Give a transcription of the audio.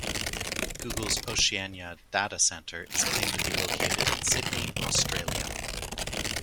Google's Oceania Data Center is claimed to be located in Sydney, Australia.